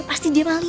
pasti dia paling